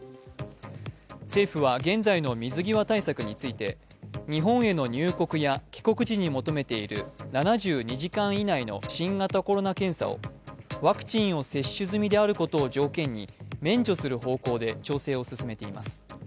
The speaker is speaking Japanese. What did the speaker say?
政府は現在の水際対策について日本への入国や帰国時に求めている７２時間以内の新型コロナ検査をワクチンを接種済みであることを条件に免除する方向で調整を進めています。